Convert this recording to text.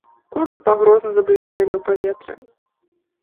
Косы пагрозна заблішчэлі ў паветры.